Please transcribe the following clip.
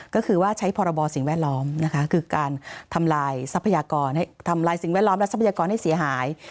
ก็คือว่าใช้พรบสิ่งแวดล้อมคือการทำลายสิ่งแวดล้อมและทรัพยากรให้เสียหาย